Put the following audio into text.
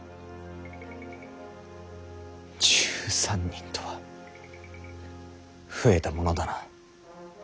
１３人とは増えたものだな。